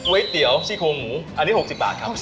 ไว้เตี๋ยวซีโครงหมูอันนี้หกสิบบาทครับ